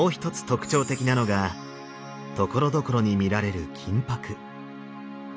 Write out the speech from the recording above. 特徴的なのがところどころに見られる金箔。